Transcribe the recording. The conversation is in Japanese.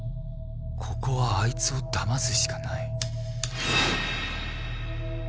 ここはあいつをだますしかない